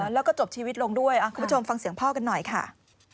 แล้วก็จบชีวิตลงด้วยคุณผู้ชมฟังเสียงพ่อกันหน่อยค่ะ